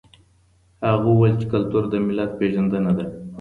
هغه وویل چې کلتور د ملت پېژندنه ده.